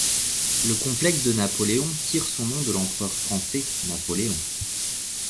Le complexe de Napoléon tire son nom de l'Empereur français Napoléon.